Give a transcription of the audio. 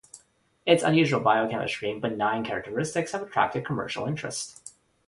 Its unusual biochemistry and benign characteristics have attracted commercial interest.